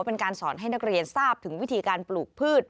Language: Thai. เป็นการสอนให้นักเรียนทราบถึงวิธีการปลูกพืช